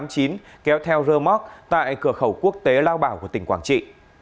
bốn mươi ba h tám mươi chín kéo theo rơ móc tại cửa khẩu quốc tế lao bảo của tỉnh quảng trị